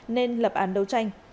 nên lập án đấu tranh